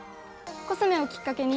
コスメをきっかけに